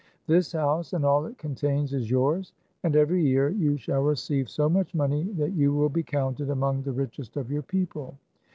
This house, and all it contains, is yours; and every year, you shall receive so much money that you will be counted among the richest of your people.